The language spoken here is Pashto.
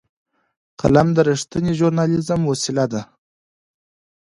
قلم د رښتینې ژورنالېزم وسیله ده